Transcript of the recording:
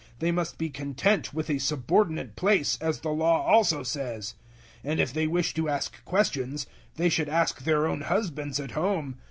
They must be content with a subordinate place, as the Law also says; 014:035 and if they wish to ask questions, they should ask their own husbands at home.